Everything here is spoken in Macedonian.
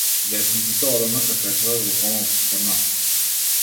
Весниците одамна се печатат во помал формат.